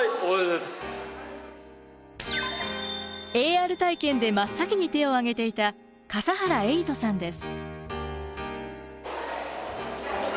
ＡＲ体験で真っ先に手を挙げていた今回と言います。